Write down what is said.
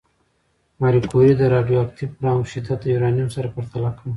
ماري کوري د راډیواکټیف وړانګو شدت د یورانیم سره پرتله کړ.